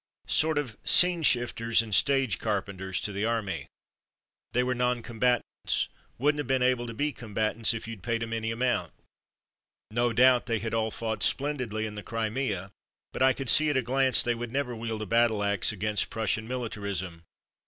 Sort of scene shifters and stage carpenters to the army. They were " non combatants ''— wouldn't have been able to be combatants if you'd paid 'em any amount. No doubt they had all fought splendidly in the Crimea, but I could see at a glance that they would never wield a battle axe against Prussian militarism.